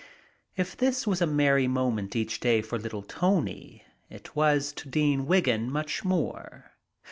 If this was a merry moment each day for little Tony, it was to Dean Wiggin much more.